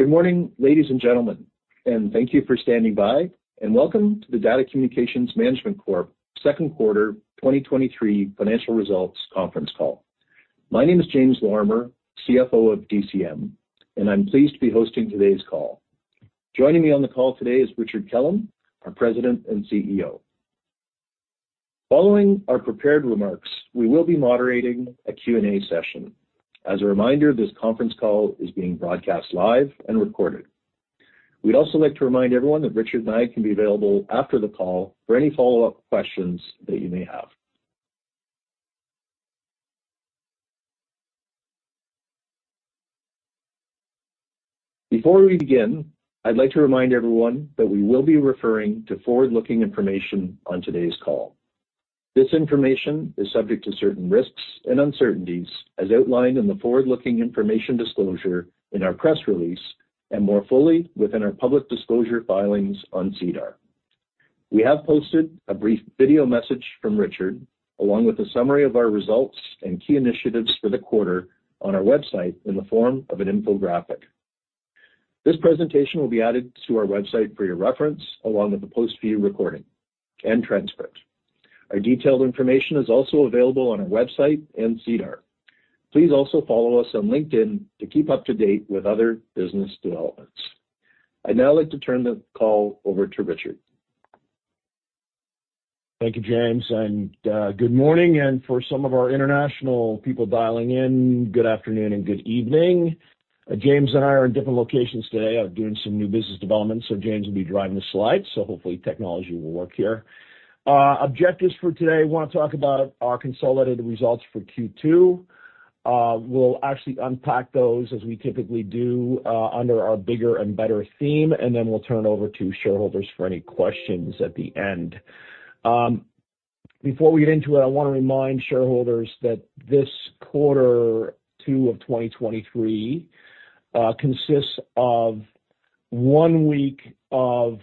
Good morning, ladies and gentlemen, thank you for standing by, welcome to the DATA Communications Management Corp second quarter 2023 financial results conference call. My name is James Lorimer, CFO of DCM, I'm pleased to be hosting today's call. Joining me on the call today is Richard Kellam, our President and CEO. Following our prepared remarks, we will be moderating a Q&A session. As a reminder, this conference call is being broadcast live and recorded. We'd also like to remind everyone that Richard and I can be available after the call for any follow-up questions that you may have. Before we begin, I'd like to remind everyone that we will be referring to forward-looking information on today's call. This information is subject to certain risks and uncertainties, as outlined in the forward-looking information disclosure in our press release, and more fully within our public disclosure filings on SEDAR. We have posted a brief video message from Richard, along with a summary of our results and key initiatives for the quarter on our website in the form of an infographic. This presentation will be added to our website for your reference, along with the post-view recording and transcript. Our detailed information is also available on our website and SEDAR. Please also follow us on LinkedIn to keep up to date with other business developments. I'd now like to turn the call over to Richard. Thank you, James, and good morning, and for some of our international people dialing in, good afternoon and good evening. James and I are in different locations today. I'm doing some new business development, so James will be driving the slides, so hopefully technology will work here. Objectives for today, wanna talk about our consolidated results for Q2. We'll actually unpack those, as we typically do, under our bigger and better theme, and then we'll turn over to shareholders for any questions at the end. Before we get into it, I wanna remind shareholders that this quarter two of 2023 consists of one week of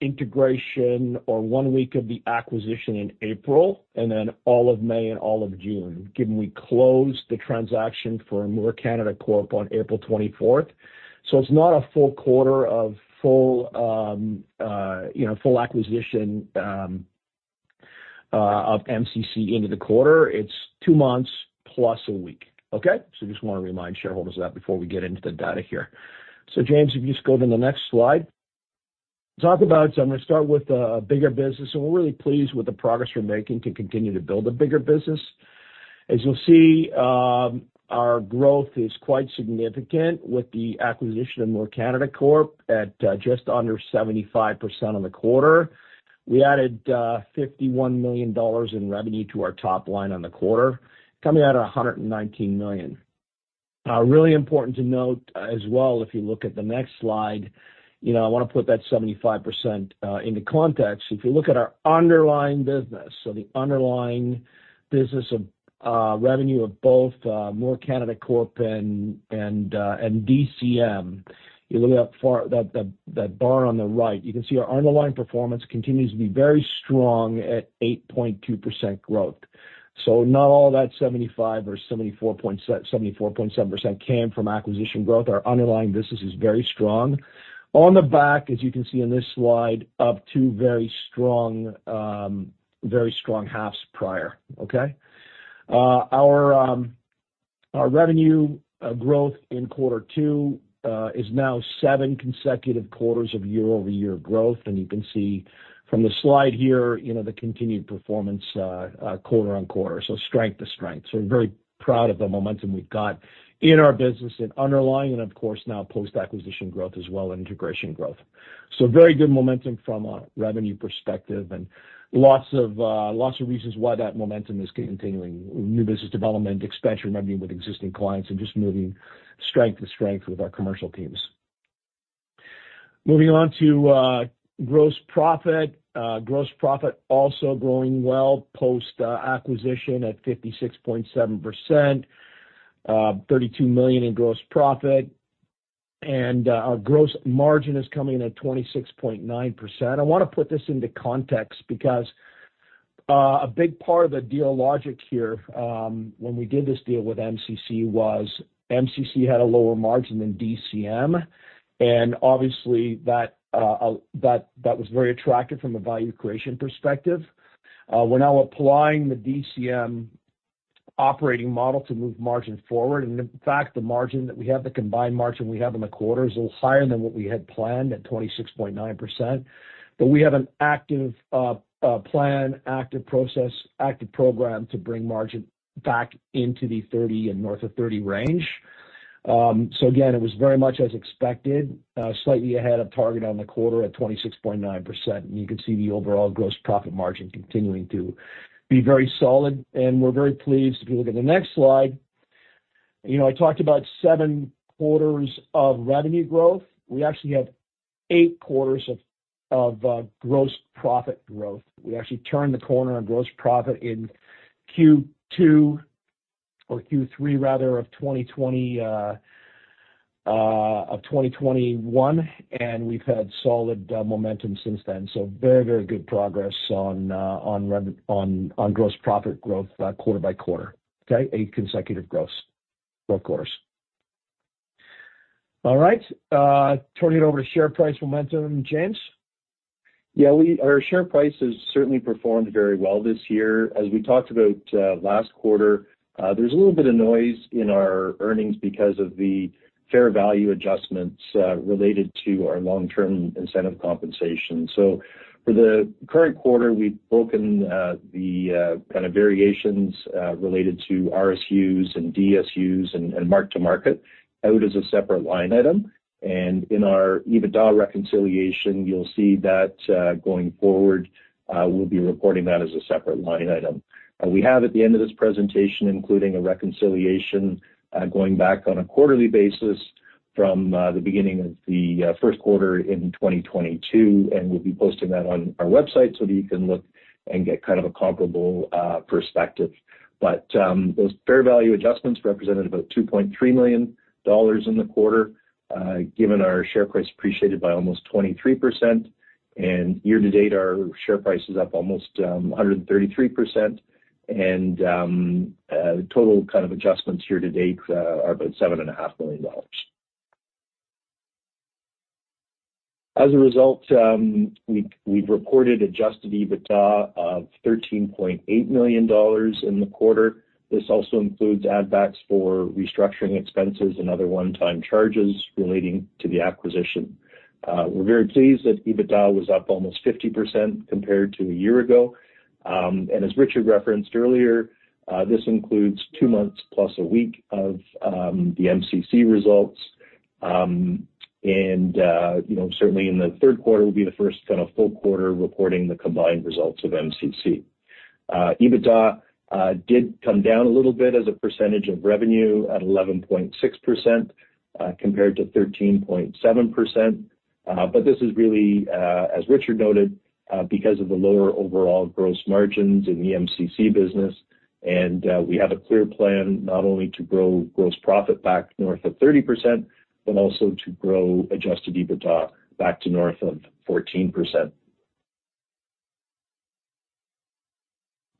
integration or one week of the acquisition in April, and then all of May and all of June, given we closed the transaction for Moore Canada Corporation on April twenty-fourth. It's not a full quarter of full, you know, full acquisition of MCC into the quarter. It's 2 months plus a week, okay. Just wanna remind shareholders of that before we get into the data here. James, if you just go to the next slide. Talk about, I'm gonna start with bigger business, and we're really pleased with the progress we're making to continue to build a bigger business. As you'll see, our growth is quite significant with the acquisition of Moore Canada Corporation at just under 75% on the quarter. We added 51 million dollars in revenue to our top line on the quarter, coming out at 119 million. Really important to note, as well, if you look at the next slide, you know, I wanna put that 75% into context. If you look at our underlying business, the underlying business of revenue of both Moore Canada Corporation and DCM, you look at that bar on the right, you can see our underlying performance continues to be very strong at 8.2% growth. Not all that 75% or 74.7% came from acquisition growth. Our underlying business is very strong. On the back, as you can see in this slide, of two very strong, very strong halves prior, okay? Our, our revenue growth in Q2 is now 7 consecutive quarters of year-over-year growth, and you can see from the slide here, you know, the continued performance quarter-on-quarter, so strength to strength. We're very proud of the momentum we've got in our business and underlying and, of course, now post-acquisition growth as well, and integration growth. Very good momentum from a revenue perspective and lots of reasons why that momentum is continuing. New business development, expansion revenue with existing clients, and just moving strength to strength with our commercial teams. Moving on to gross profit. Gross profit also growing well post acquisition at 56.7%, 32 million in gross profit, and our gross margin is coming in at 26.9%. I want to put this into context because, a big part of the deal logic here, when we did this deal with MCC, was MCC had a lower margin than DCM. Obviously that, that was very attractive from a value creation perspective. We're now applying the DCM operating model to move margin forward, and in fact, the margin that we have, the combined margin we have in the quarter, is a little higher than what we had planned at 26.9%. We have an active, plan, active process, active program to bring margin back into the 30 and north of 30 range. Again, it was very much as expected, slightly ahead of target on the quarter at 26.9%, and you can see the overall gross profit margin continuing to be very solid, and we're very pleased. If you look at the next slide, you know, I talked about seven quarters of revenue growth. We actually have eight quarters of gross profit growth. We actually turned the corner on gross profit in Q2, or Q3 rather, of 2020, of 2021, and we've had solid momentum since then. Very, very good progress on gross profit growth, quarter by quarter, okay? Eight consecutive gross growth quarters. All right, turning it over to share price momentum, James? Yeah, our share price has certainly performed very well this year. As we talked about last quarter, there's a little bit of noise in our earnings because of the fair value adjustments related to our long-term incentive compensation. For the current quarter, we've broken the kind of variations related to RSUs and DSUs and mark-to-market out as a separate line item. In our EBITDA reconciliation, you'll see that going forward, we'll be reporting that as a separate line item. We have at the end of this presentation, including a reconciliation, going back on a quarterly basis from the beginning of the Q1 in 2022, and we'll be posting that on our website so that you can look and get kind of a comparable perspective. Those fair value adjustments represented about 2.3 million dollars in the quarter, given our share price appreciated by almost 23%, and year-to-date, our share price is up almost 133%. The total kind of adjustments year-to-date are about 7.5 million dollars. As a result, we've, we've reported adjusted EBITDA of 13.8 million dollars in the quarter. This also includes add backs for restructuring expenses and other one-time charges relating to the acquisition. We're very pleased that EBITDA was up almost 50% compared to a year ago. As Richard referenced earlier, this includes two months, plus a week of the MCC results. You know, certainly in the third quarter will be the first kind of full quarter reporting the combined results of MCC. EBITDA did come down a little bit as a percentage of revenue at 11.6%, compared to 13.7%. This is really, as Richard noted, because of the lower overall gross margins in the MCC business. We have a clear plan not only to grow gross profit back north of 30%, but also to grow adjusted EBITDA back to north of 14%.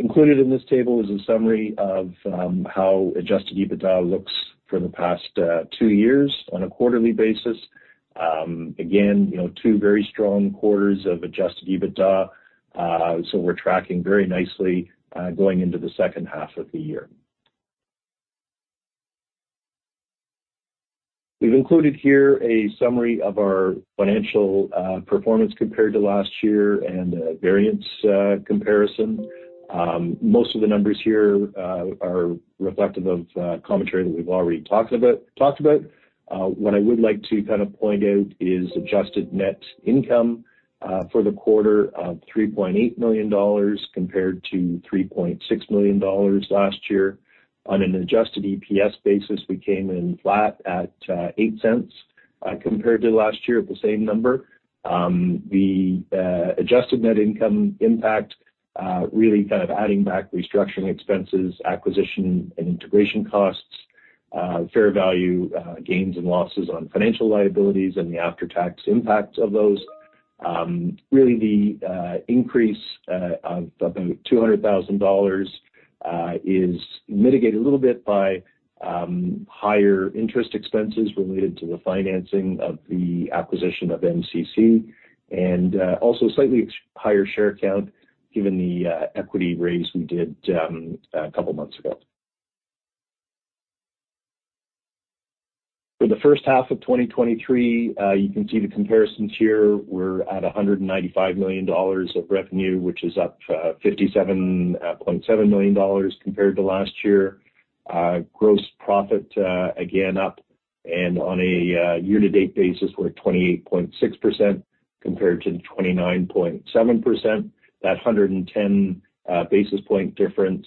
Included in this table is a summary of how adjusted EBITDA looks for the past two years on a quarterly basis. Again, you know, two very strong quarters of adjusted EBITDA. We're tracking very nicely, going into the second half of the year. We've included here a summary of our financial performance compared to last year and a variance comparison. Most of the numbers here are reflective of commentary that we've already talked about, talked about. What I would like to point out is adjusted net income for the quarter of 3.8 million dollars, compared to 3.6 million dollars last year. On an adjusted EPS basis, we came in flat at 0.08, compared to last year at the same number. The adjusted net income impact really adding back restructuring expenses, acquisition and integration costs, fair value gains and losses on financial liabilities and the after-tax impact of those. Really, the increase of about 200,000 dollars is mitigated a little bit by higher interest expenses related to the financing of the acquisition of MCC and also slightly ex-higher share count given the equity raise we did a couple of months ago. For the first half of 2023, you can see the comparisons here. We're at 195 million dollars of revenue, which is up 57.7 million dollars compared to last year. Gross profit again, up and on a year-to-date basis we're at 28.6% compared to 29.7%. That 110 basis point difference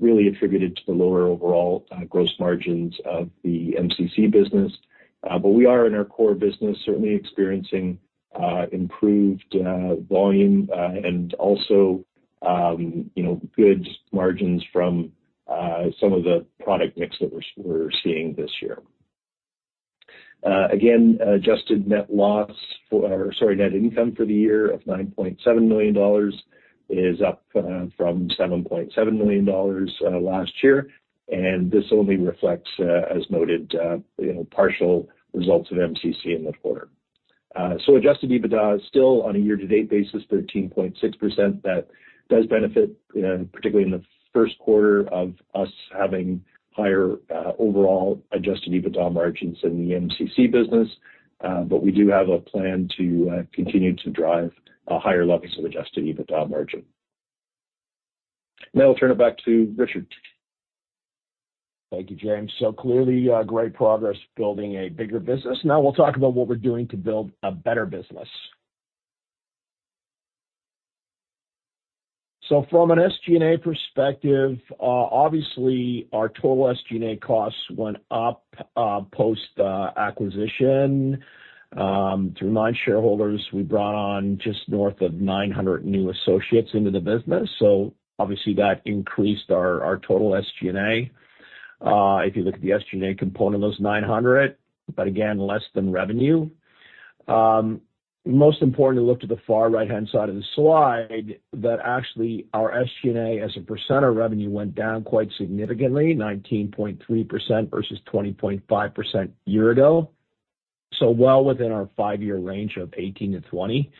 really attributed to the lower overall gross margins of the MCC business. We are in our core business, certainly experiencing improved volume, and also, you know, good margins from some of the product mix that we're seeing this year. Again, adjusted net income for the year of 9.7 million dollars is up from 7.7 million dollars last year, and this only reflects, as noted, you know, partial results of MCC in the quarter. Adjusted EBITDA is still on a year-to-date basis, 13.6%. That does benefit, you know, particularly in the Q1 of us having higher overall adjusted EBITDA margins in the MCC business. We do have a plan to continue to drive higher levels of adjusted EBITDA margin. Now I'll turn it back to Richard. Thank you, James. Clearly, great progress building a bigger business. Now we'll talk about what we're doing to build a better business. From an SG&A perspective, obviously, our total SG&A costs went up post acquisition. To remind shareholders, we brought on just north of 900 new associates into the business, so obviously that increased our, our total SG&A. If you look at the SG&A component of those 900, but again, less than revenue. Most important to look to the far right-hand side of the slide, that actually our SG&A, as a % of revenue, went down quite significantly, 19.3% versus 20.5% year ago. Well within our 5-year range of 18-20.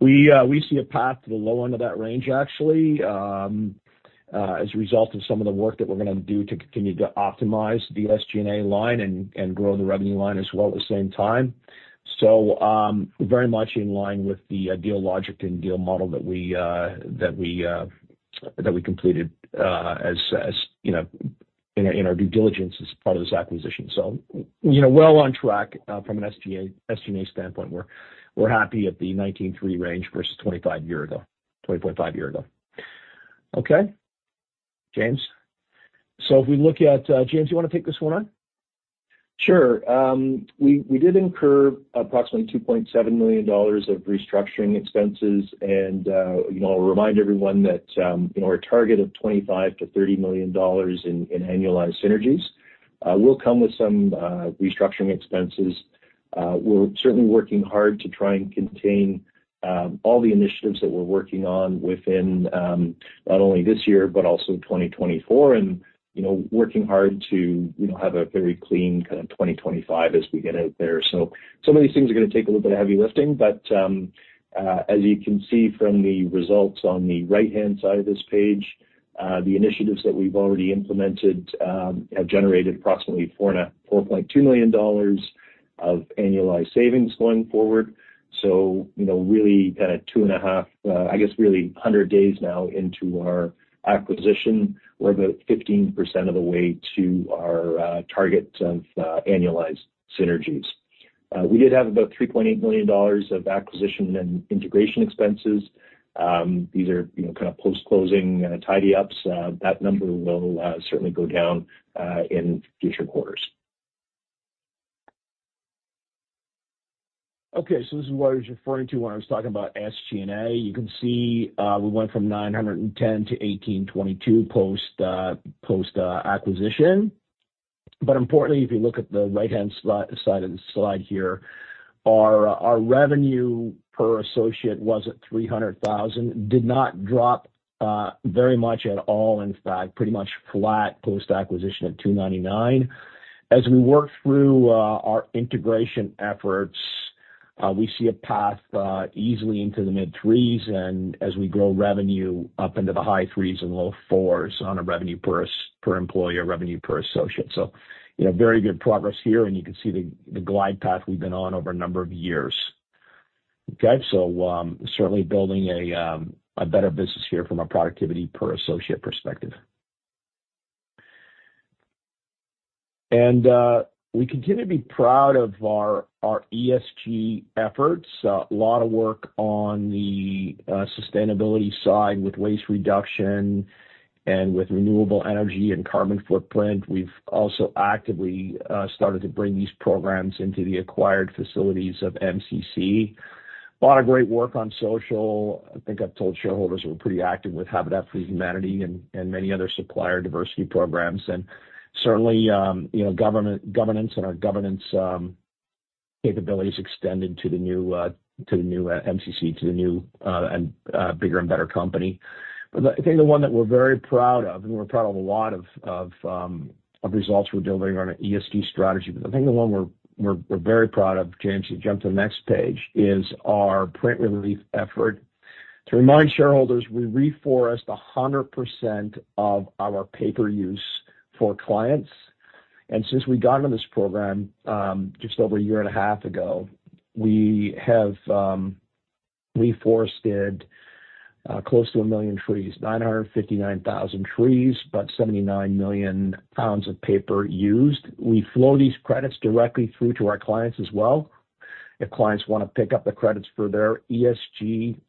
We see a path to the low end of that range, actually, as a result of some of the work that we're gonna do to continue to optimize the SG&A line and grow the revenue line as well at the same time. Very much in line with the deal logic and deal model that we completed, as, as, you know, in our, in our due diligence as part of this acquisition. You know, well on track from an SG&A standpoint, we're happy at the 19.3 range versus 25 year ago, 20.5 year ago. Okay, James? If we look at, James, you wanna take this one on? Sure. We, we did incur approximately $2.7 million of restructuring expenses. You know, I'll remind everyone that, you know, our target of $25 million-$30 million in, in annualized synergies will come with some restructuring expenses. We're certainly working hard to try and contain all the initiatives that we're working on within not only this year, but also 2024, and, you know, working hard to, you know, have a very clean kind of 2025 as we get out there. Some of these things are gonna take a little bit of heavy lifting, but as you can see from the results on the right-hand side of this page, the initiatives that we've already implemented have generated approximately $4.2 million of annualized savings going forward. You know, really kind of 2.5, I guess really 100 days now into our acquisition, we're about 15% of the way to our target of annualized synergies. We did have about $3.8 million of acquisition and integration expenses. These are, you know, kind of post-closing tidy ups. That number will certainly go down in future quarters. Okay, this is what I was referring to when I was talking about SG&A. You can see, we went from 910 to 1,822 post-acquisition. Importantly, if you look at the right-hand side of the slide here, our revenue per associate was at 300,000, did not drop very much at all, in fact, pretty much flat post-acquisition at 299. As we work through our integration efforts, we see a path easily into the mid threes and as we grow revenue up into the high threes and low fours on a revenue per employee or revenue per associate. You know, very good progress here, and you can see the glide path we've been on over a number of years. Okay, so, certainly building a better business here from a productivity per associate perspective. And we continue to be proud of our ESG efforts. A lot of work on the sustainability side with waste reduction and with renewable energy and carbon footprint. We've also actively started to bring these programs into the acquired facilities of MCC. A lot of great work on social. I think I've told shareholders we're pretty active with Habitat for Humanity and many other supplier diversity programs, and certainly, you know, governance and our governance capabilities extended to the new, to the new MCC, to the new, and bigger and better company. I think the one that we're very proud of, and we're proud of a lot of, of results we're delivering on our ESG strategy, but I think the one we're, we're, we're very proud of, James, you jump to the next page, is our PrintReleaf effort. To remind shareholders, we reforest 100% of our paper use for clients, and since we got into this program, just over a year and a half ago, we have reforested close to 1 million trees, 959,000 trees, about 79 million pounds of paper used. We flow these credits directly through to our clients as well, if clients wanna pick up the credits for their ESG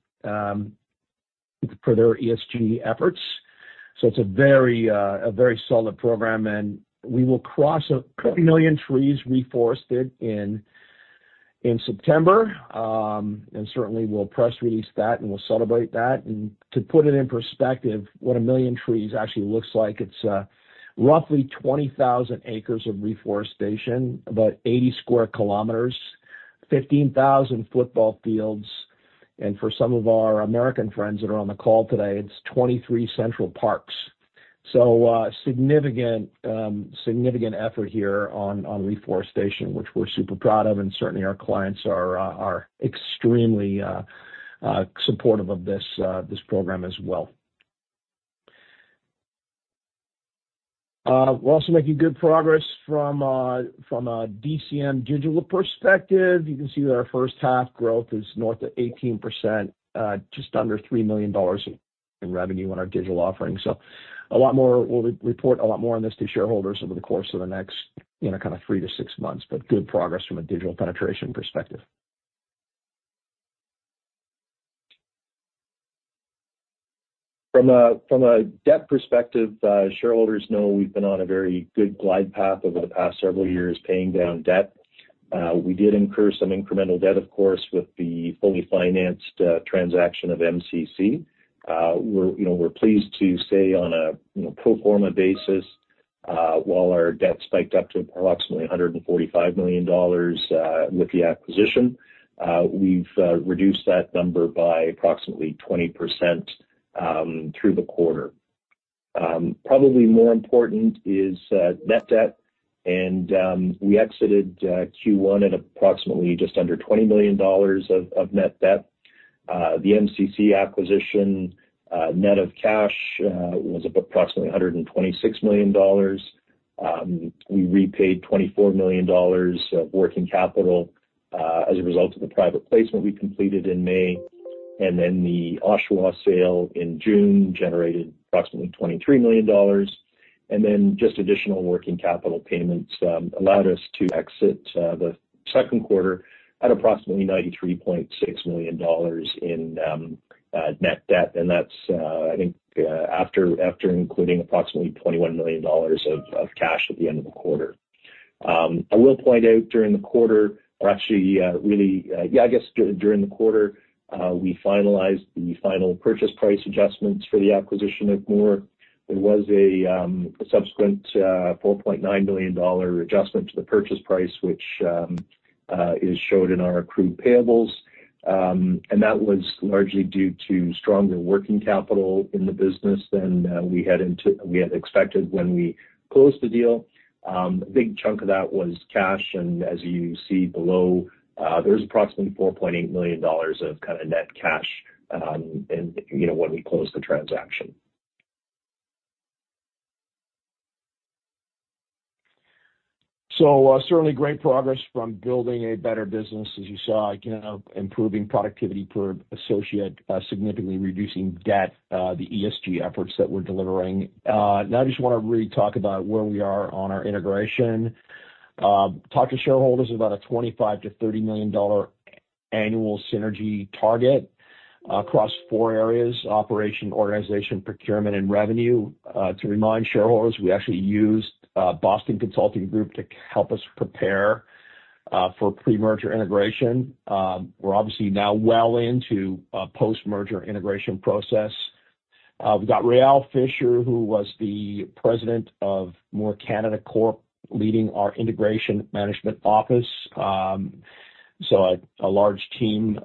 for their ESG efforts. It's a very, a very solid program, and we will cross 1 million trees reforested in September. Certainly we'll press release that, and we'll celebrate that. To put it in perspective, what 1 million trees actually looks like, it's roughly 20,000 acres of reforestation, about 80 square kilometers, 15,000 football fields, and for some of our American friends that are on the call today, it's 23 Central Parks. Significant, significant effort here on, on reforestation, which we're super proud of, and certainly our clients are extremely supportive of this program as well. We're also making good progress from a DCM Digital perspective. You can see that our first half growth is north of 18%, just under $3 million in revenue on our digital offerings. A lot more- we'll report a lot more on this to shareholders over the course of the next, you know, kind of 3-6 months, but good progress from a digital penetration perspective. From a, from a debt perspective, shareholders know we've been on a very good glide path over the past several years, paying down debt. We did incur some incremental debt, of course, with the fully financed transaction of MCC. We're, you know, we're pleased to say on a, you know, pro forma basis, while our debt spiked up to approximately 145 million dollars, with the acquisition, we've reduced that number by approximately 20% through the quarter. Probably more important is net debt, and we exited Q1 at approximately just under 20 million dollars of, of net debt. The MCC acquisition, net of cash, was approximately 126 million dollars. We repaid 24 million dollars of working capital as a result of the private placement we completed in May. The Oshawa sale in June generated approximately 23 million dollars. Just additional working capital payments allowed us to exit the second quarter at approximately 93.6 million dollars in net debt. That's, I think, after, after including approximately 21 million dollars of cash at the end of the quarter. I will point out during the quarter, or actually, really, yeah, I guess during the quarter, we finalized the final purchase price adjustments for the acquisition of Moore. There was a subsequent 4.9 million dollar adjustment to the purchase price, which is showed in our accrued payables. That was largely due to stronger working capital in the business than we had int-- we had expected when we closed the deal. A big chunk of that was cash, and as you see below, there was approximately $4.8 million of kind of net cash, in, you know, when we closed the transaction. Certainly great progress from building a better business. As you saw, you know, improving productivity per associate, significantly reducing debt, the ESG efforts that we're delivering. Now I just wanna really talk about where we are on our integration. Talked to shareholders about a 25 million-30 million dollar annual synergy target across four areas: operation, organization, procurement, and revenue. To remind shareholders, we actually used Boston Consulting Group to help us prepare for pre-merger integration. We're obviously now well into a post-merger integration process. We've got Rael Fisher, who was the president of Moore Canada Corporation, leading our integration management office. A large team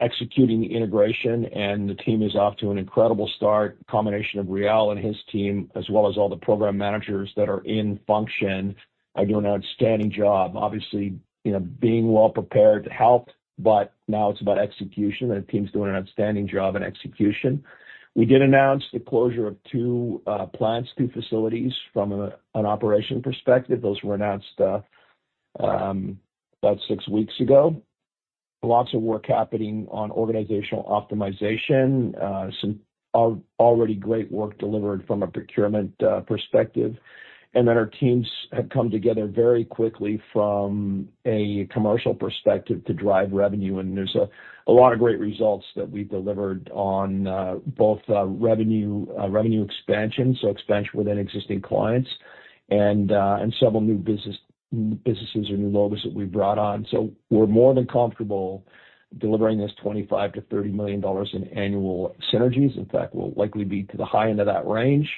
executing the integration, and the team is off to an incredible start. Combination of Real and his team, as well as all the program managers that are in function, are doing an outstanding job. Obviously, you know, being well prepared helped, but now it's about execution, and the team's doing an outstanding job in execution. We did announce the closure of two plants, two facilities from an operation perspective. Those were announced about 6 weeks ago. Lots of work happening on organizational optimization, some already great work delivered from a procurement perspective. Then our teams have come together very quickly from a commercial perspective to drive revenue, and there's a lot of great results that we've delivered on both revenue, revenue expansion, so expansion within existing clients and several new business, businesses or new logos that we've brought on. We're more than comfortable delivering this 25 million-30 million dollars in annual synergies. In fact, we'll likely be to the high end of that range.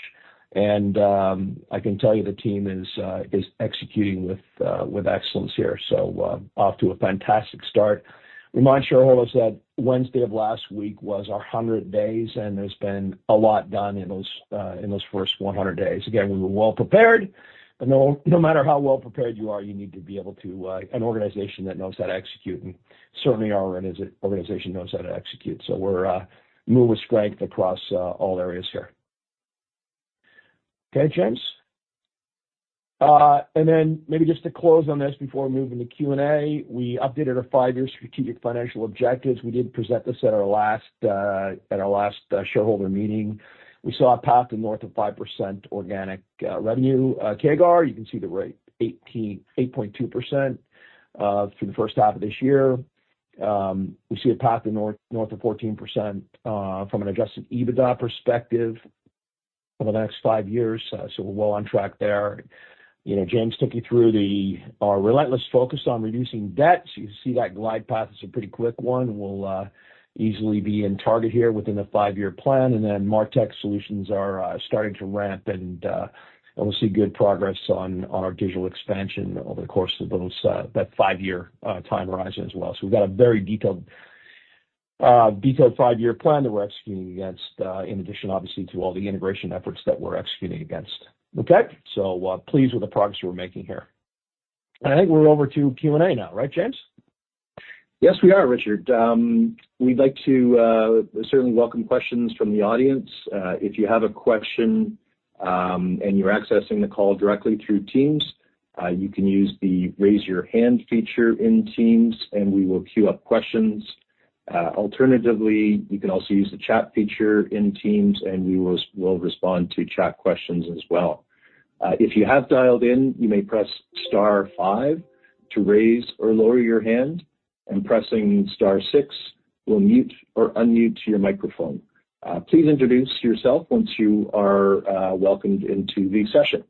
I can tell you the team is executing with excellence here, so off to a fantastic start. Remind shareholders that Wednesday of last week was our 100 days, and there's been a lot done in those first 100 days. Again, we were well prepared, but no matter how well prepared you are, you need to be able to an organization that knows how to execute, and certainly our organization knows how to execute. We're moving with strength across all areas here. Okay, James? Maybe just to close on this before moving to Q&A, we updated our five-year strategic financial objectives. We did present this at our last, at our last, shareholder meeting. We saw a path to north of 5% organic revenue CAGR. You can see the rate, 8.2% for the first half of this year. We see a path to north of 14% from an adjusted EBITDA perspective over the next five years. We're well on track there. You know, James took you through the, our relentless focus on reducing debt. You can see that glide path is a pretty quick one. We'll easily be in target here within the five-year plan, and then MarTech solutions are starting to ramp, and we'll see good progress on our digital expansion over the course of those that five-year time horizon as well. We've got a very detailed, detailed 5-year plan that we're executing against, in addition, obviously, to all the integration efforts that we're executing against. Okay? Pleased with the progress we're making here. I think we're over to Q&A now, right, James? Yes, we are, Richard. We'd like to certainly welcome questions from the audience. If you have a question, and you're accessing the call directly through Teams, you can use the Raise Your Hand feature in Teams, and we will queue up questions. Alternatively, you can also use the chat feature in Teams, and we will, we'll respond to chat questions as well. If you have dialed in, you may press star five to raise or lower your hand, and pressing star six will mute or unmute your microphone. Please introduce yourself once you are welcomed into the session.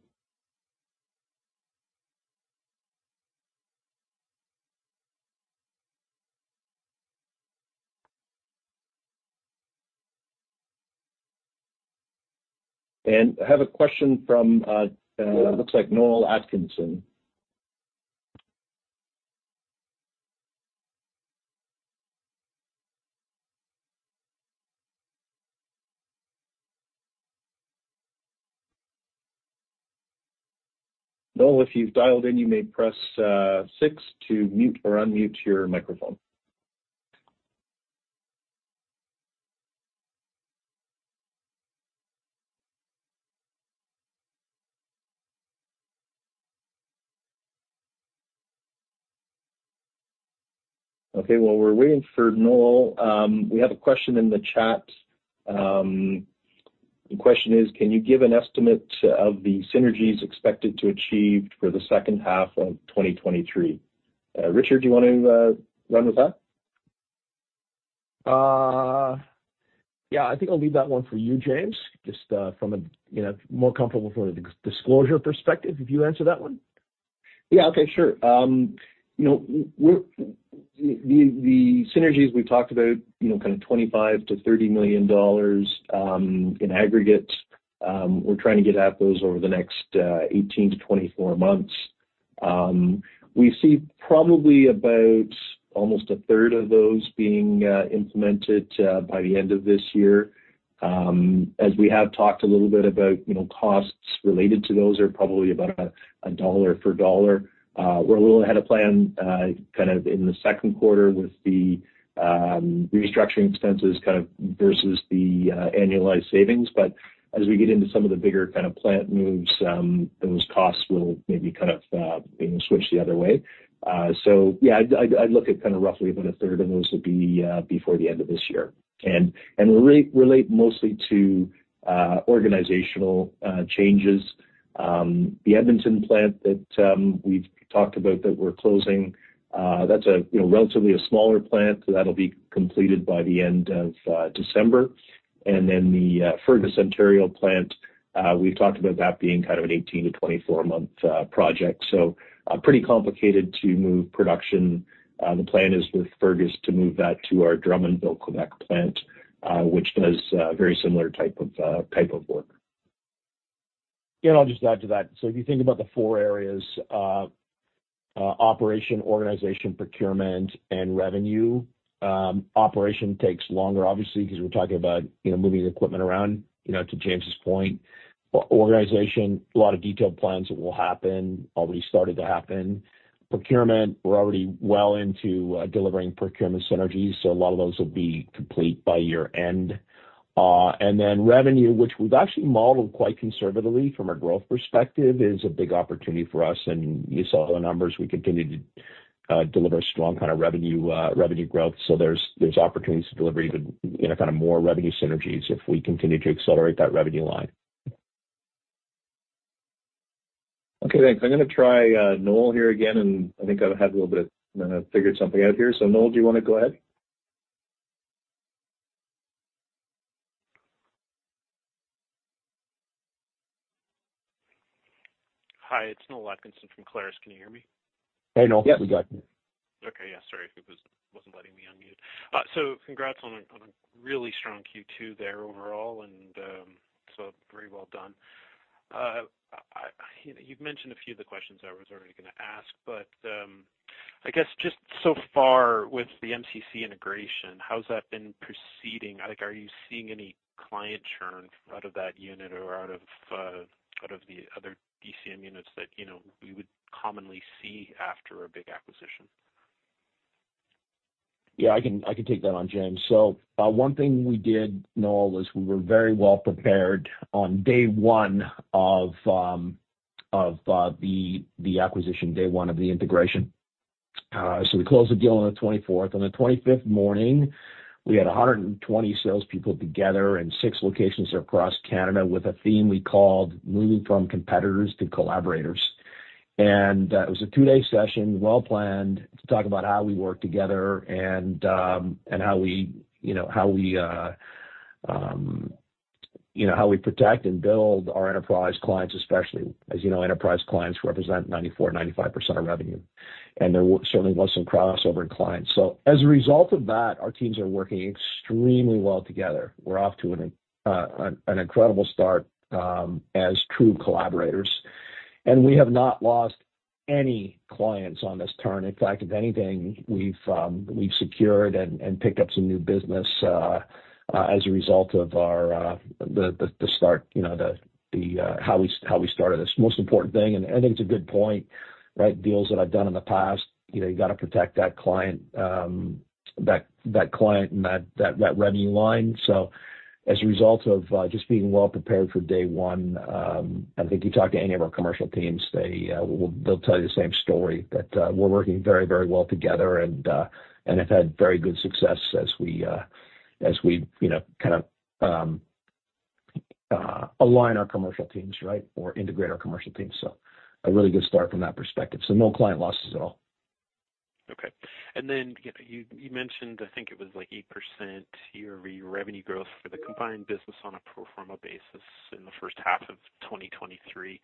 I have a question from, looks like Noel Atkinson. Noel, if you've dialed in, you may press six to mute or unmute your microphone. Okay, while we're waiting for Noel, we have a question in the chat. The question is: Can you give an estimate of the synergies expected to achieve for the second half of 2023? Richard, do you want to run with that? Yeah, I think I'll leave that one for you, James. Just, from a, you know, more comfortable from a disclosure perspective, if you answer that one. Yeah, okay, sure. You know, the synergies we've talked about, you know, kind of 25 million-30 million dollars in aggregate. We're trying to get at those over the next 18-24 months. We see probably about almost one-third of those being implemented by the end of this year. As we have talked a little bit about, you know, costs related to those are probably about a CAD 1 for CAD 1. We're a little ahead of plan kind of in the Q2 with the restructuring expenses, kind of, versus the annualized savings. As we get into some of the bigger kind of plant moves, those costs will maybe kind of, you know, switch the other way. Yeah, I'd, I'd, I'd look at kind of roughly about 1/3 of those will be before the end of this year and re-relate mostly to organizational changes. The Edmonton plant that we've talked about that we're closing, that's a, you know, relatively a smaller plant. That'll be completed by the end of December. The Fergus, Ontario plant, we've talked about that being kind of an 18-24-month project, so pretty complicated to move production. The plan is with Fergus to move that to our Drummondville, Quebec plant, which does a very similar type of type of work. Yeah, I'll just add to that. If you think about the four areas, operation, organization, procurement, and revenue, operation takes longer, obviously, because we're talking about, you know, moving equipment around, you know, to James' point. Organization, a lot of detailed plans will happen, already started to happen. Procurement, we're already well into delivering procurement synergies, so a lot of those will be complete by year-end. Revenue, which we've actually modeled quite conservatively from a growth perspective, is a big opportunity for us, and you saw the numbers. We continue to deliver strong kind of revenue, revenue growth, so there's, there's opportunities to deliver even, you know, kind of more revenue synergies if we continue to accelerate that revenue line. Okay, thanks. I'm gonna try, Noel here again, and I think I've had a little bit, figured something out here. Noel, do you want to go ahead? Hi, it's Noel Atkinson from Clarus. Can you hear me? Hey, Noel. Yes. We got you. Okay, yeah, sorry, it was, wasn't letting me unmute. Congrats on a, on a really strong Q2 there overall, and, so very well done. I, I, you know, you've mentioned a few of the questions I was already gonna ask, but, I guess just so far with the MCC integration, how has that been proceeding? Like, are you seeing any client churn out of that unit or out of, out of the other ECM units that, you know, we would commonly see after a big acquisition? Yeah, I can, I can take that on, James. One thing we did, Noel, is we were very well prepared on day one of the acquisition, day one of the integration. We closed the deal on the 24th. On the 25th morning, we had 120 salespeople together in six locations across Canada with a theme we called Moving from Competitors to Collaborators. It was a 2-day session, well planned, to talk about how we work together and how we, you know, how we, you know, how we protect and build our enterprise clients, especially. As you know, enterprise clients represent 94%-95% of revenue, and there certainly was some crossover in clients. As a result of that, our teams are working extremely well together. We're off to an incredible start as true collaborators, and we have not lost any clients on this turn. In fact, if anything, we've secured and picked up some new business as a result of our the the the start, you know, the the how we how we started this. Most important thing, and I think it's a good point, right, deals that I've done in the past, you know, you gotta protect that client, that that client and that that that revenue line. As a result of just being well prepared for day one, I think you talk to any of our commercial teams, they will-- they'll tell you the same story, that we're working very, very well together and have had very good success as we as we, you know, kind of align our commercial teams, right? Or integrate our commercial teams. A really good start from that perspective. No client losses at all. Okay. Then, you know, you, you mentioned, I think it was like 8% year-over-year revenue growth for the combined business on a pro forma basis in the first half of 2023.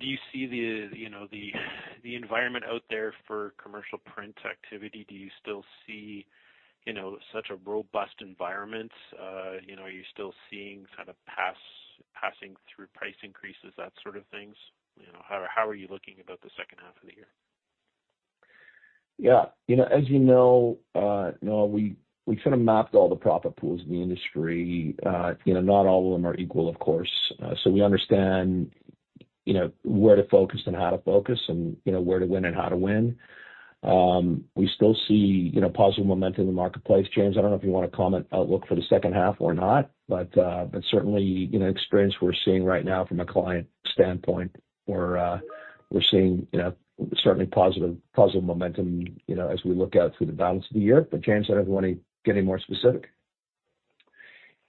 Do you see the, you know, the, the environment out there for commercial print activity? Do you still see, you know, such a robust environment? You know, are you still seeing kind of passing through price increases, that sort of things? You know, how, how are you looking about the second half of the year? Yeah. You know, as you know, Noel, we, we kind of mapped all the profit pools in the industry. You know, not all of them are equal, of course. We understand, you know, where to focus and how to focus and, you know, where to win and how to win. We still see, you know, positive momentum in the marketplace. James, I don't know if you want to comment outlook for the second half or not, but certainly, you know, experience we're seeing right now from a client standpoint, we're seeing, you know, certainly positive, positive momentum, you know, as we look out through the balance of the year. James, I don't know if you want to get any more specific.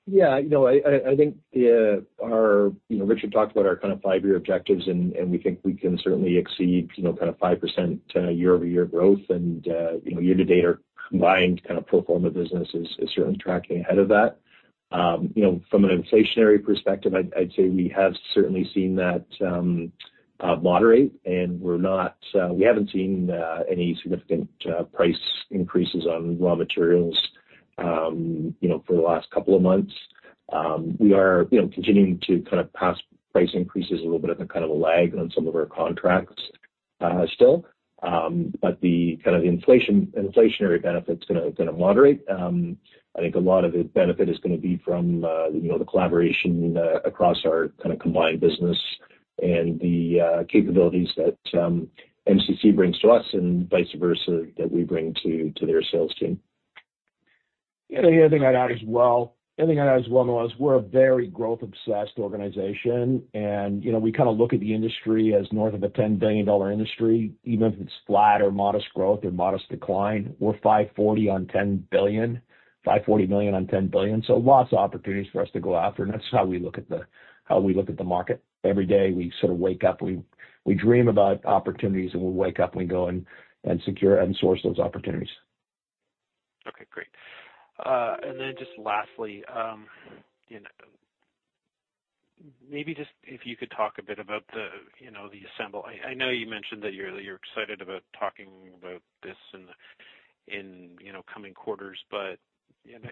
Yeah, I, I, I think our Richard talked about our kind of 5-year objectives, and we think we can certainly exceed kind of 5% year-over-year growth. Year-to-date, our combined kind of pro forma business is certainly tracking ahead of that. From an inflationary perspective, I'd say we have certainly seen that moderate, and we haven't seen any significant price increases on raw materials for the last couple of months. We are continuing to kind of pass price increases a little bit of a, kind of a lag on some of our contracts still. The kind of inflationary benefit is gonna moderate. I think a lot of the benefit is gonna be from, you know, the collaboration across our kind of combined business and the capabilities that MCC brings to us and vice versa, that we bring to, to their sales team. Yeah, the only thing I'd add as well, Noel, is we're a very growth-obsessed organization, and, you know, we kind of look at the industry as north of a 10 billion dollar industry, even if it's flat or modest growth or modest decline. We're 540 on 10 billion, 540 million on 10 billion, so lots of opportunities for us to go after. That's how we look at the market. Every day, we sort of wake up, we dream about opportunities, and we wake up, and we go and secure and source those opportunities. Okay, great. Then just lastly, you know, maybe just if you could talk a bit about the, you know, the Assemble. I, I know you mentioned that you're, you're excited about talking about this in, in, you know, coming quarters, but, you know,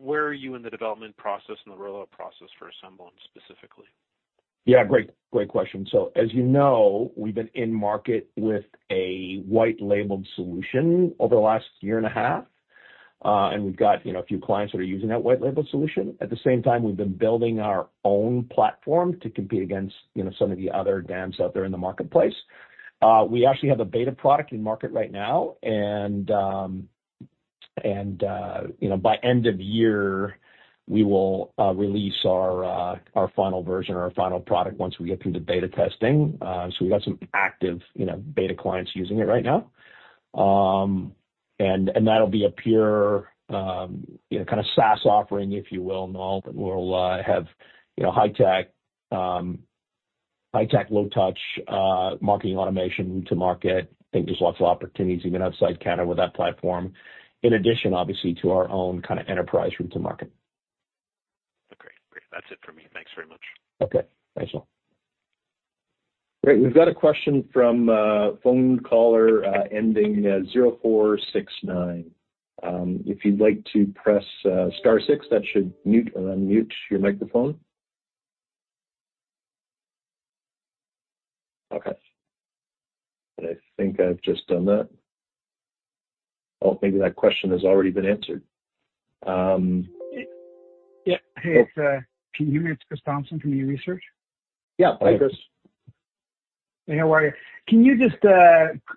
where are you in the development process and the rollout process for Assemble specifically? Yeah, great, great question. So as you know, we've been in market with a white labeled solution over the last year and a half. We've got, you know, a few clients that are using that white label solution. At the same time, we've been building our own platform to compete against, you know, some of the other DAMs out there in the marketplace. We actually have a beta product in market right now, and, you know, by end of year, we will release our final version or our final product once we get through the beta testing. We've got some active, you know, beta clients using it right now. That'll be a pure, you know, kind of SaaS offering, if you will, Noel, that will have, you know, high-tech, high-tech, low-touch, marketing automation route to market. I think there's lots of opportunities even outside Canada with that platform, in addition, obviously, to our own kind of enterprise route to market. Okay, great. That's it for me. Thanks very much. Okay. Thanks, Noel. Great. We've got a question from a phone caller, ending, 0469. If you'd like to press, star 6, that should mute and unmute your microphone. Okay, I think I've just done that. Oh, maybe that question has already been answered. Yeah. Hey, it's, can you hear me? It's Chris Thompson from eResearch. Yeah. Hi, Chris. Hey, how are you? Can you just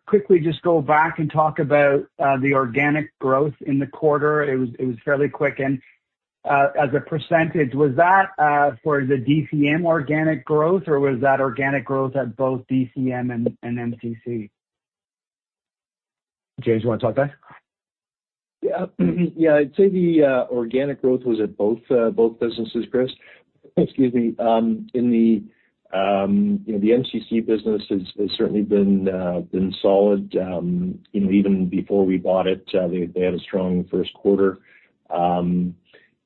quickly just go back and talk about the organic growth in the quarter? It was, it was fairly quick and as a %, was that for the DCM organic growth, or was that organic growth at both DCM and MCC? James, you want to talk that? Yeah. Yeah, I'd say the organic growth was at both, both businesses, Chris. Excuse me. In the, you know, the MCC business has, has certainly been solid. You know, even before we bought it, they, they had a strong Q1.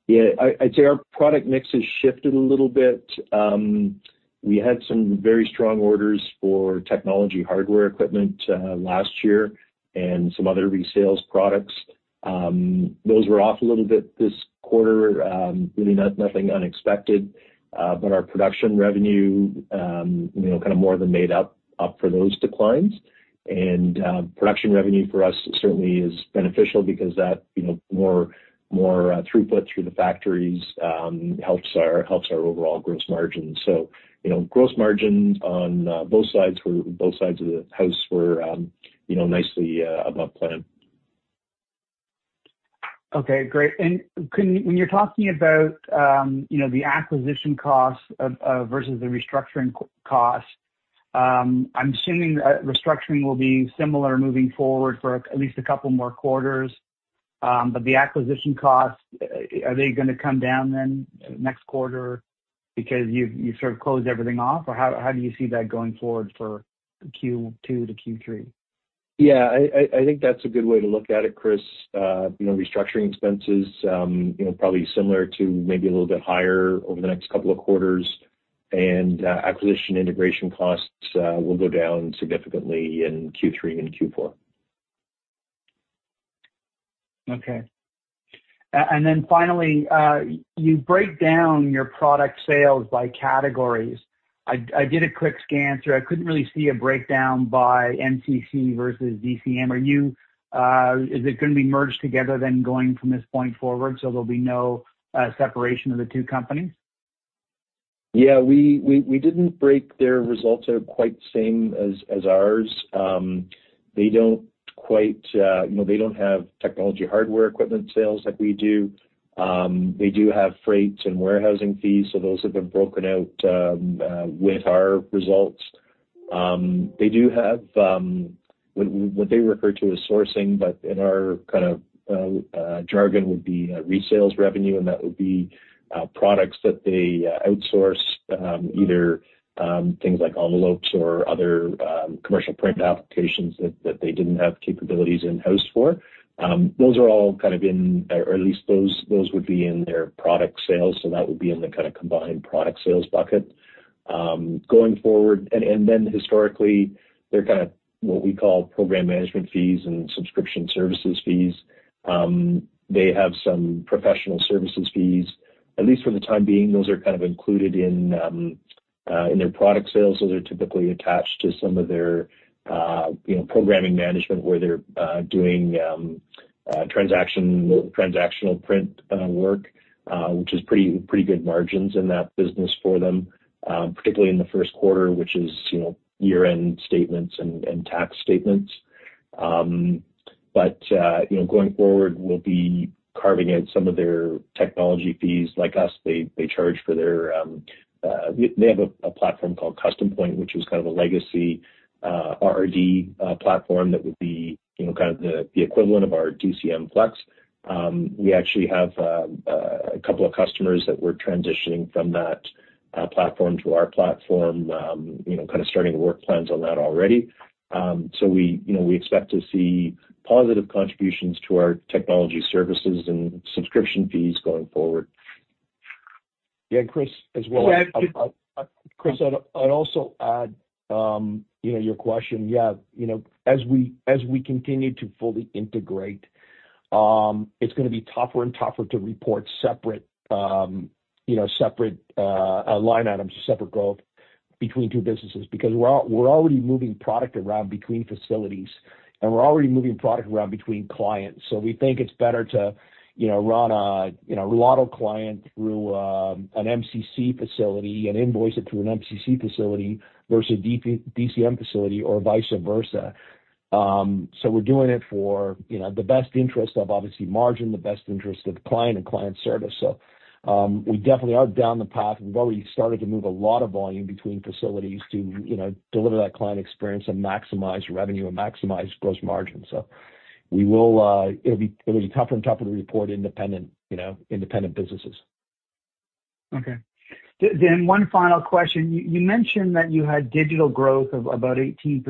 Yeah, I, I'd say our product mix has shifted a little bit. We had some very strong orders for technology hardware equipment last year and some other resales products. Those were off a little bit this quarter. Really nothing unexpected, but our production revenue, you know, kind of more than made up, up for those declines. Production revenue for us certainly is beneficial because that, you know, more, more throughput through the factories, helps our, helps our overall gross margin. You know, gross margin on both sides of the house were, you know, nicely above plan. Okay, great. can you... When you're talking about, you know, the acquisition costs of versus the restructuring costs, I'm assuming restructuring will be similar moving forward for at least 2 more quarters. The acquisition costs, are they gonna come down then next quarter because you've, you've sort of closed everything off? How, how do you see that going forward for Q2 to Q3? ... Yeah, I, I, I think that's a good way to look at it, Chris. you know, restructuring expenses, you know, probably similar to maybe a little bit higher over the next couple of quarters, and, acquisition integration costs, will go down significantly in Q3 and Q4. Okay. Finally, you break down your product sales by categories. I, I did a quick scan through. I couldn't really see a breakdown by MCC versus DCM. Are you? Is it gonna be merged together then, going from this point forward, so there'll be no separation of the two companies? Yeah, we, we, we didn't break their results are quite the same as, as ours. They don't quite, you know, they don't have technology hardware equipment sales like we do. They do have freight and warehousing fees, so those have been broken out with our results. They do have what, what they refer to as sourcing, but in our kind of jargon would be resales revenue, and that would be products that they outsource, either things like envelopes or other commercial print applications that, that they didn't have capabilities in-house for. Those are all kind of in, or at least those, those would be in their product sales, so that would be in the kind of combined product sales bucket. Going forward... Then historically, they're kind of what we call program management fees and subscription services fees. They have some professional services fees. At least for the time being, those are kind of included in their product sales. Those are typically attached to some of their, you know, program management, where they're doing transactional print work, which is pretty, pretty good margins in that business for them, particularly in the Q1, which is, you know, year-end statements and tax statements. But, you know, going forward, we'll be carving out some of their technology fees. Like us, they, they charge for their... They, they have a, a platform called CustomPoint, which was kind of a legacy, RRD, platform that would be, you know, kind of the, the equivalent of our DCM FLEX. We actually have, a couple of customers that we're transitioning from that, platform to our platform, you know, kind of starting to work plans on that already. So we, you know, we expect to see positive contributions to our technology services and subscription fees going forward. Yeah, Chris, as well- Go ahead, please. Chris, I'd, I'd also add, you know, your question, yeah, you know, as we, as we continue to fully integrate, it's gonna be tougher and tougher to report separate, you know, separate line items or separate growth between two businesses. We're already moving product around between facilities, and we're already moving product around between clients, so we think it's better to, you know, run a, you know, a lotto client through an MCC facility and invoice it through an MCC facility versus DCM facility or vice versa. We're doing it for, you know, the best interest of obviously margin, the best interest of the client and client service. We definitely are down the path. We've already started to move a lot of volume between facilities to, you know, deliver that client experience and maximize revenue and maximize gross margin. We will, it'll be tougher and tougher to report independent, you know, independent businesses. Okay. Then one final question. You, you mentioned that you had digital growth of about 18%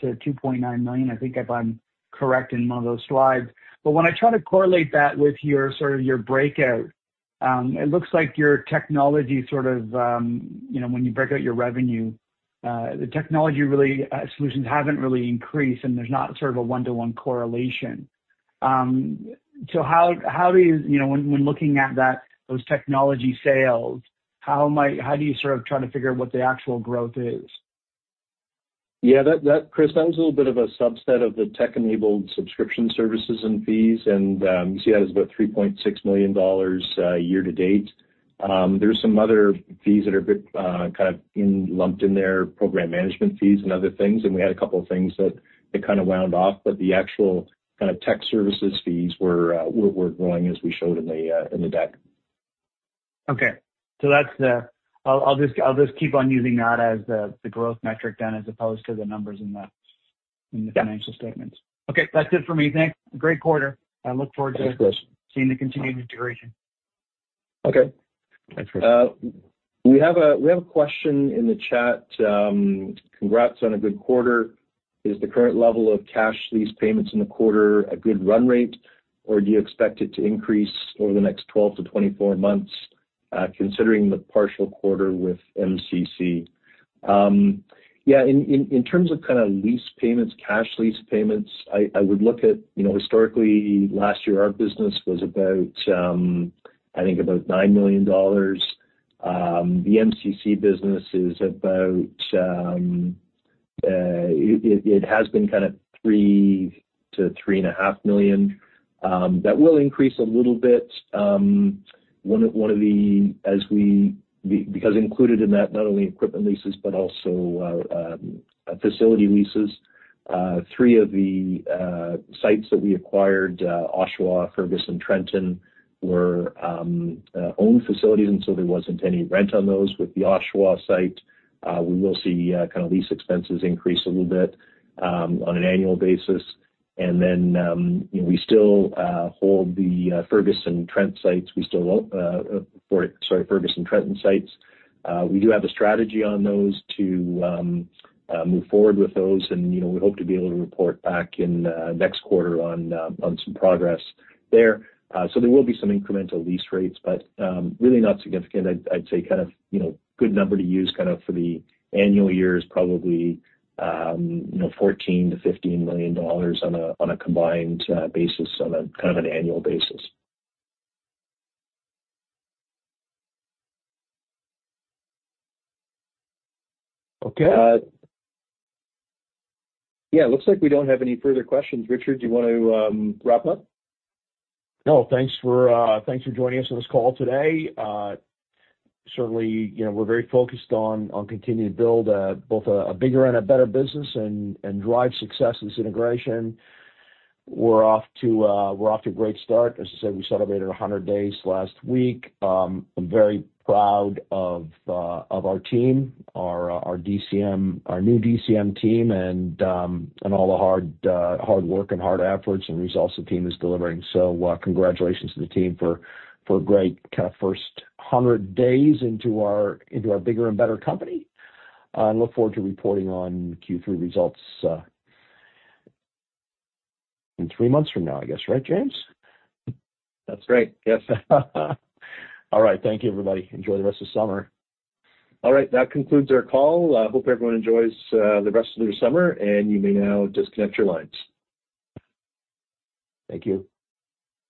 to 2.9 million, I think, if I'm correct, in one of those slides. When I try to correlate that with your, sort of your breakout, it looks like your technology sort of, you know, when you break out your revenue, the technology really, solutions haven't really increased, and there's not sort of a one-to-one correlation. How, how do you... You know, when, when looking at that, those technology sales, how do you sort of try to figure out what the actual growth is? Yeah, that, that, Chris, that was a little bit of a subset of the tech-enabled subscription services and fees, and you see that as about 3.6 million dollars, year to date. There's some other fees that are a bit, kind of in, lumped in there, program management fees and other things, and we had a couple of things that, that kind of wound off. The actual kind of tech services fees were, were, were growing, as we showed in the, in the deck. Okay. That's the... I'll just keep on using that as the growth metric then, as opposed to the numbers in the. Yeah... financial statements. Okay, that's it for me. Thanks. Great quarter. I look forward to- Thanks, Chris. seeing the continued integration. Okay. Thanks, Chris. We have a, we have a question in the chat. Congrats on a good quarter. Is the current level of cash, lease payments in the quarter a good run rate, or do you expect it to increase over the next 12-24 months, considering the partial quarter with MCC? Yeah, in, in, in terms of kind of lease payments, cash lease payments, I, I would look at, you know, historically, last year, our business was about, I think about $9 million. The MCC business is about, it, it, it has been kind of $3 million-$3.5 million. That will increase a little bit. One of, one of the, as we, because included in that, not only equipment leases but also, facility leases. Three of the sites that we acquired, Oshawa, Fergus, and Trenton, were owned facilities, and so there wasn't any rent on those. With the Oshawa site, we will see kind of lease expenses increase a little bit on an annual basis. Then, you know, we still hold the Fergus and Trenton sites. We still own for, sorry, Fergus and Trenton sites. We do have a strategy on those to move forward with those, and, you know, we hope to be able to report back in next quarter on some progress there. There will be some incremental lease rates, but really not significant. I'd, I'd say kind of, you know, good number to use, kind of, for the annual year is probably, you know, 14 million-15 million dollars on a, on a combined, basis, on a, kind of an annual basis. Okay. Uh... Yeah, it looks like we don't have any further questions. Richard, do you want to wrap up? No, thanks for, thanks for joining us on this call today. Certainly, you know, we're very focused on, on continuing to build, both a, a bigger and a better business and, and drive success in this integration. We're off to a, we're off to a great start. As I said, we celebrated 100 days last week. I'm very proud of, of our team, our, our DCM, our new DCM team, and all the hard, hard work and hard efforts and results the team is delivering. Congratulations to the team for, for a great kind of first 100 days into our, into our bigger and better company. I look forward to reporting on Q3 results, in 3 months from now, I guess. Right, James? That's right. Yes. All right. Thank you, everybody. Enjoy the rest of summer. All right, that concludes our call. Hope everyone enjoys the rest of their summer, and you may now disconnect your lines. Thank you.